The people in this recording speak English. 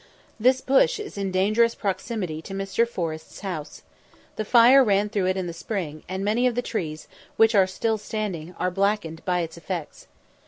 This bush is in dangerous proximity to Mr. Forrest's house. The fire ran through it in the spring, and many of the trees, which are still standing, are blackened by its effects.